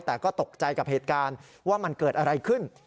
แต่ก็ตกใจกับเหตุการณ์ว่ามันเกิดอะไรขึ้น